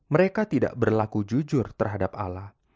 mereka tidak berlaku jujur terhadap allah